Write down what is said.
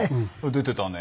「出てたね。